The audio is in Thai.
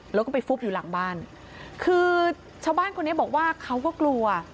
แล้วก็ไปฟุบอยู่หลังบ้านคือชาวบ้านคนนี้บอกว่าเขาก็กลัว